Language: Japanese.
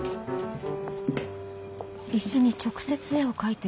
石に直接絵を描いてる。